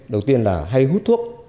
đầu tiên là hay hút thuốc